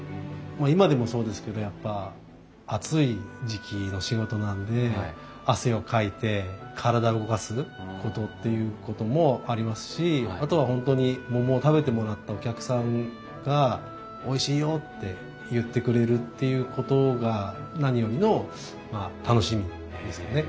今でもそうですけどやっぱ暑い時期の仕事なので汗をかいて体を動かすことっていうこともありますしあとは本当に桃を食べてもらったお客さんがおいしいよって言ってくれるっていうことが何よりの楽しみですよね。